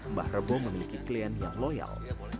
mbah rebo memiliki klien yang loyal